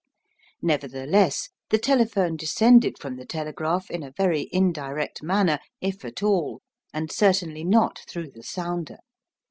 Nevertheless, the telephone descended from the telegraph in a very indirect manner, if at all, and certainly not through the sounder.